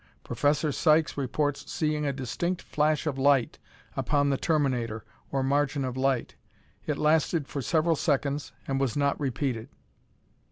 Professor Sykes reports seeing a distinct flash of light upon the terminator, or margin of light. It lasted for several seconds and was not repeated.